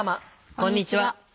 こんにちは。